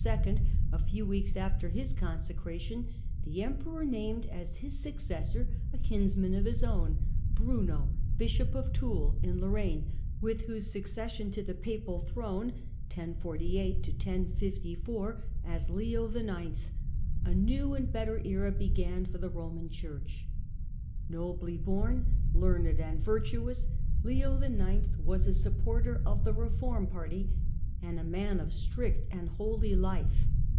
a few weeks after his consecration, the Emperor named as his successor a kinsman of his own, Leo ix., Bruno, Bishop of Toul, in Lorraine, with whose accession ^^^^'^^^^ to the papal throne in 1048 as Leo IX. a new and better era began for the Eoman Church. Nobly born, learned and virtuous, Leo IX. was a supporter of the reform party, and a man of strict and holy life.